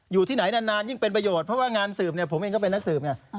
อยู่ที่ไหนนานยิ่งเป็นประโยชน์เพราะว่างานสืบเนี่ยผมเองก็เป็นนักสืบไง